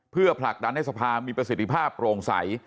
เพื่อผลักดันให้สภามีประสิทธิภาพโปร่งใส